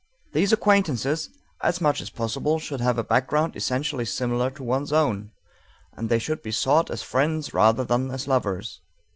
These acquaintances, as much as possible, should have a background essentially similar to one's own, and they should be sought as friends rather than as lovers.